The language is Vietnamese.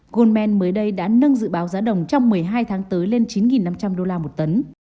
goldman mới đây đã nâng dự báo giá đồng trong một mươi hai tháng tới lên chín năm trăm linh đô la một tấn